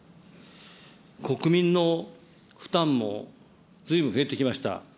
国民の負担もずいぶん増えてきました。